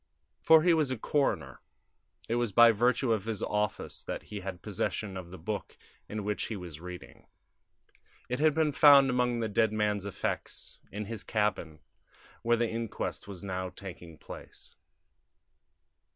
For he was a coroner. It was by virtue of his office that he had possession of the book in which he was reading; it had been found among the dead man's effects in his cabin, where the inquest was now taking place.